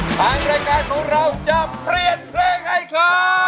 ทางรายการของเราจะเปลี่ยนเพลงให้ครับ